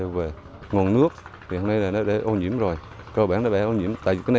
về nguồn nước thì hôm nay là nó đã ô nhiễm rồi cơ bản nó đã ô nhiễm